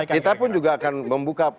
kita pun juga akan membuka